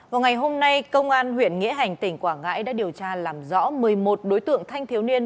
vào ngày hôm nay công an huyện nghĩa hành tỉnh quảng ngãi đã điều tra làm rõ một mươi một đối tượng thanh thiếu niên